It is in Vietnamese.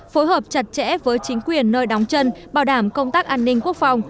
phối hợp chặt chẽ với chính quyền nơi đóng chân bảo đảm công tác an ninh quốc phòng